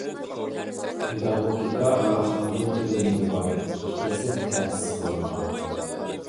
پېداگوگىكا ۋە خەنزۇ تىلىدىن ئىبارەت ئىككى كەسىپ تەسىس قىلىنغان.